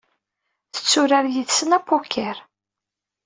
Tetturar yid-sen apukir.